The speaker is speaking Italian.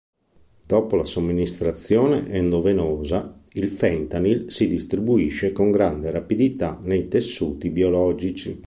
Dopo la somministrazione endovenosa, il fentanyl si distribuisce con grande rapidità nei tessuti biologici.